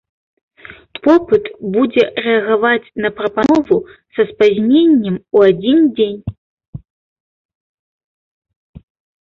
Попыт будзе рэагаваць на прапанову са спазненнем у адзін дзень.